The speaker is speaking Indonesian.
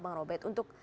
bang robet untuk